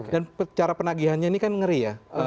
dan cara penagihannya ini kan ngeri ya